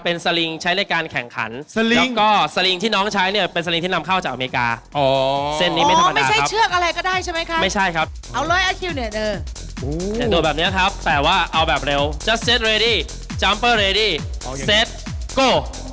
ก็ได้ใช่ไหมค่ะไม่ใช่ครับเอาเลยอ่ะคิวเนี่ยเดิมแบบนี้ครับแต่ว่าเอาแบบเร็วจะเซ็ตเรดี้จ๊อมเบอร์เรดี้เซ็ตโก้